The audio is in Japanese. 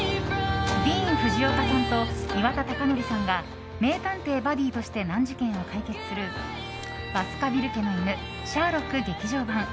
ディーン・フジオカさんと岩田剛典さんが名探偵バディとして難事件を解決する「バスカヴィル家の犬シャーロック劇場版」。